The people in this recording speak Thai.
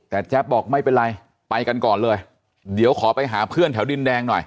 แต่แจ๊บบอกไม่เป็นไรไปกันก่อนเลยเดี๋ยวขอไปหาเพื่อนแถวดินแดงหน่อย